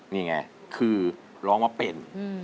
นี่ไงคือร้องว่าเป็น